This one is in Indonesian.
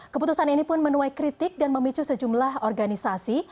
keputusan ini pun menuai kritik dan memicu sejumlah organisasi